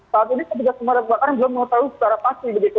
saat ini petugas pemadam kebakaran belum mengetahui secara pasti begitu